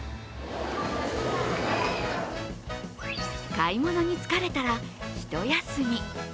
買い物に疲れたら一休み。